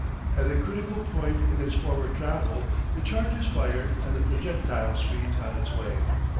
At a critical point in its forward travel the charge is fired and the projectile speeds on its way.